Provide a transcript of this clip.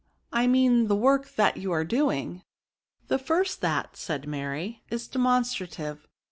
I mean the work that you are doing." '' The first that^^^ said Mary^ is demon strative!